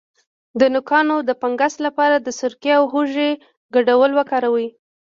د نوکانو د فنګس لپاره د سرکې او هوږې ګډول وکاروئ